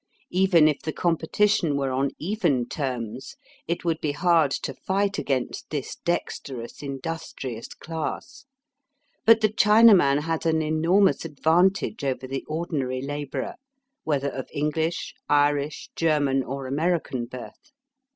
Even if the competition were on even terms, it would be hard to fight against this dexterous industrious class. But the Chinaman has an enormous advantage over the ordinary labourer, whether of EngKsh, Irish, German, or American birth.